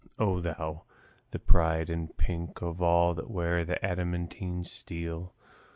O thou, the pride and pink of all that I wear The adamantine steel!